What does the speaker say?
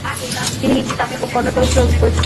তিনি হিন্দি, তামিল ও কন্নড় চলচ্চিত্রে অভিনয় করেছেন।